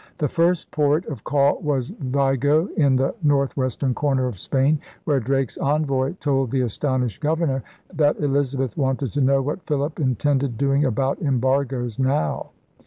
The first port of call was Vigo in the north western corner of Spain, where Drake's envoy told the astonished governor that Elizabeth wanted to know what Philip intended doing about embargoes now.